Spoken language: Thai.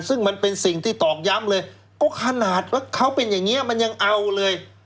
ซึ่งมันเป็นสิ่งที่ตอกย้ำเลยก็ขนาดว่าเขาเป็นอย่างนี้มันยังเอาเลย